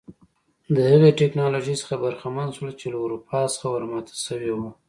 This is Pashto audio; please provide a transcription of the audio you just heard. د هغې ټکنالوژۍ څخه برخمن شول چې له اروپا څخه ور ماته شوې وه.